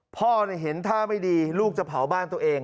พ่อเห็นท่าไม่ดีลูกจะเผาบ้านตัวเอง